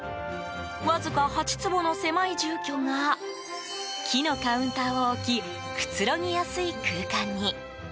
わずか８坪の狭い住居が木のカウンターを置きくつろぎやすい空間に。